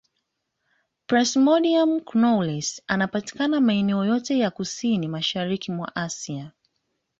Plasmodium knowlesi anapatikana maeneo yote ya kusini mashariki mwa Asia